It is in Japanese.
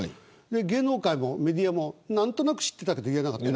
芸能界もメディアも何となく知っていたけど言えなかった。